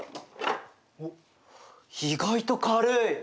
おっ意外と軽い！でしょ？